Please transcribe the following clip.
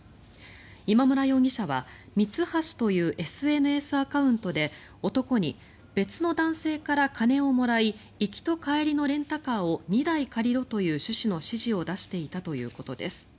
今村容疑者はミツハシというＳＮＳアカウントで男に、別の男性から金をもらい行きと帰りのレンタカーを２台借りろという趣旨の指示を出していたということです。